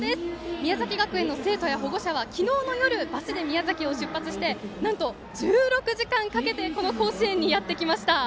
宮崎学園の生徒や保護者は昨日の夜バスで宮崎を出発してなんと１６時間かけてこの甲子園にやってきました。